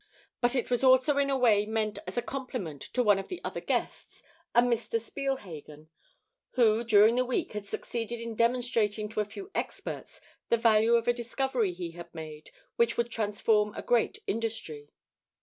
But it was also in a way meant as a compliment to one of the other guests, a Mr. Spielhagen, who, during the week, had succeeded in demonstrating to a few experts the value of a discovery he had made which would transform a great industry.